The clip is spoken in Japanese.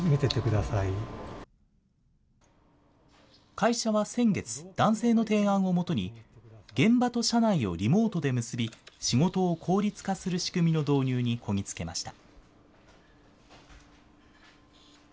会社は先月、男性の提案をもとに、現場と社内をリモートで結び、仕事を効率化する仕組みの導入にこぎ着けました。